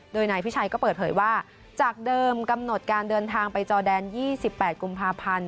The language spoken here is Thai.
โดยนายพิชัยก็เปิดเผยว่าจากเดิมกำหนดการเดินทางไปจอแดน๒๘กุมภาพันธ์